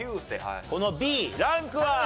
このＢランクは？